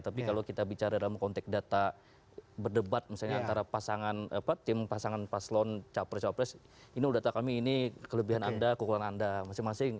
tapi kalau kita bicara dalam konteks data berdebat misalnya antara pasangan tim pasangan paslon capres capres ini data kami ini kelebihan anda kekurangan anda masing masing